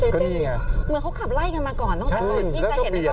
ขายคลิปปะ